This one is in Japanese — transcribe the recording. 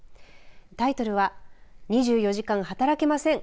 タイトルは２４時間働けません！